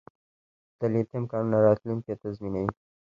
د لیتیم کانونه راتلونکی تضمینوي